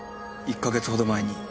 １か月ほど前に。